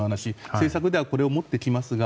政策ではこの話を持ってきますが。